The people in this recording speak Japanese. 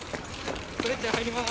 ストレッチャー入ります。